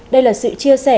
đây là sự chia sẻ